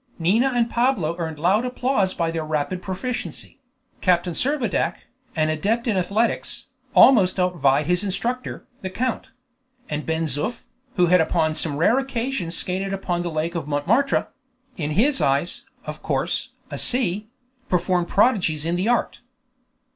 Nina and Pablo earned loud applause by their rapid proficiency; Captain Servadac, an adept in athletics, almost outvied his instructor, the count; and Ben Zoof, who had upon some rare occasions skated upon the Lake of Montmartre (in his eyes, of course, a sea), performed prodigies in the art.